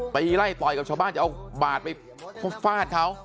ไปไล่ต่อยกับชาวบ้านจะเอาบาดไปฟาดเขา